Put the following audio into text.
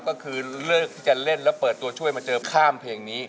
ก็คือเลือกที่จะเล่นแล้วเปิดตัวช่วยมาเจอข้ามเพลงนี้